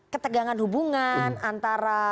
ketegangan hubungan antara